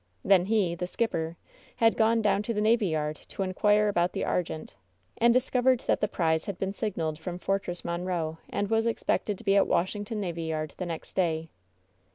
Then he — the skipper — had gone down to the navy yard to inquire about the Ar gente, and discovered that the prize had been signaled from Fortress Monroe and was expected to be at Wash ington Navy Yard the next day.